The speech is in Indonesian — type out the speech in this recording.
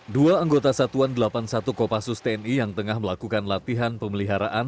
dua anggota satuan delapan puluh satu kopassus tni yang tengah melakukan latihan pemeliharaan